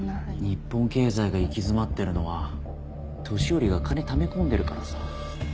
日本経済が行き詰まってるのは年寄りが金ため込んでるからさ。